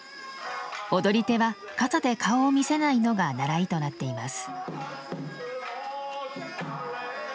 踊り手は笠で顔を見せないのが習いとなっています。